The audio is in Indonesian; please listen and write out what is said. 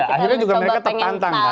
akhirnya juga mereka tertantang